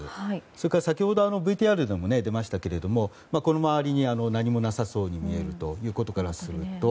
それから先ほどＶＴＲでも出ましたけれどもこの周りに何もなさそうに見えるということからすると。